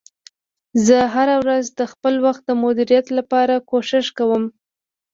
زه هره ورځ د خپل وخت د مدیریت لپاره کوښښ کوم